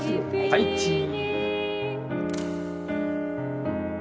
はいチー。